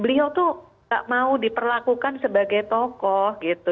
beliau tuh gak mau diperlakukan sebagai tokoh gitu